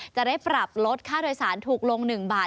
จะได้ปรับลดค่าโดยสารถูกลง๑บาท